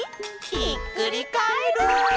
ひっくりカエル！」